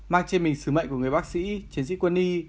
mang trên mình sứ mệnh của người bác sĩ chiến sĩ quân y